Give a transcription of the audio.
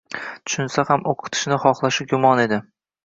Tushunsa ham o'qitishni xohlashi gumon edi